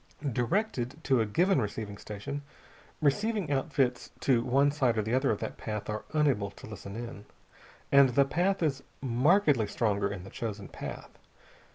Directed to a given receiving station, receiving outfits to one side or the other of that path are unable to listen in, and the signal is markedly stronger in the chosen path.